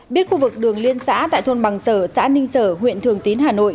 biết khu vực đường liên xã tại thôn bằng sở xã ninh sở huyện thường tín hà nội